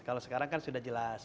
kalau sekarang kan sudah jelas